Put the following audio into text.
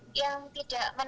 kami masih ada stabil